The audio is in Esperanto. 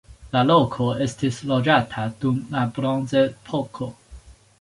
La loko estis loĝata dum la bronzepoko.